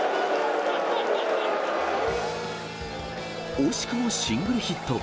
惜しくもシングルヒット。